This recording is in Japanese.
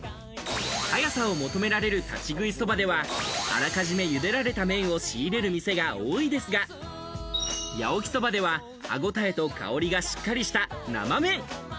速さを求められる立ち食いそばでは、あらかじめ茹でられた麺を仕入れる店が多いですが、八起そばでは、歯応えと香りがしっかりした生麺。